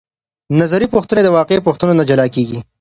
نظري پوښتنې له واقعي پوښتنو نه جلا کیږي.